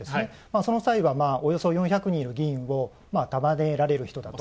その際はおよそ４００人いる議員を束ねられる人だと。